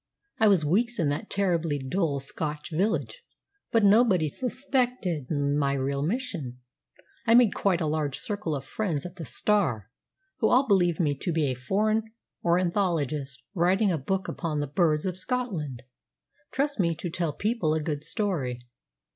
I was weeks in that terribly dull Scotch village, but nobody suspected my real mission. I made quite a large circle of friends at the 'Star,' who all believed me to be a foreign ornithologist writing a book upon the birds of Scotland. Trust me to tell people a good story."